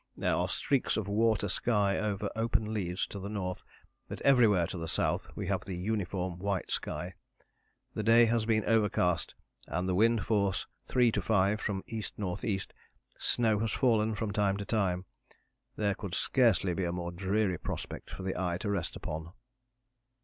There are streaks of water sky over open leads to the north, but everywhere to the south we have the uniform white sky. The day has been overcast and the wind force 3 to 5 from the E.N.E. snow has fallen from time to time. There could scarcely be a more dreary prospect for the eye to rest upon."